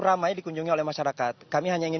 ramai dikunjungi oleh masyarakat kami hanya ingin